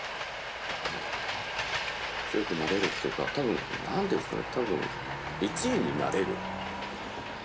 強くなれるっていうか多分何て言うんですかね